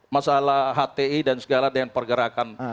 masalah hti dan segala dengan pergerakan